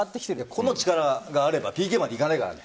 個の力があればＰＫまでいかないからね。